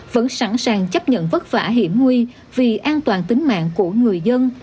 vẫn sẵn sàng chấp nhận vất vả hiểm nguy vì an toàn tính mạng của người dân